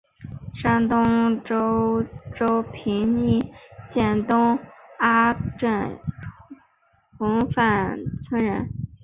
山东兖州平阴县东阿镇洪范村人。